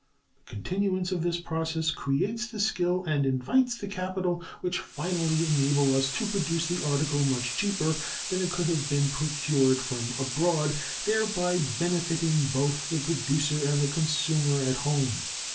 The continuance of this process creates the skill and invites the capital which finally enable us to produce the article much cheaper than it could have been procured from abroad, thereby benefiting both the producer and the consumer at home.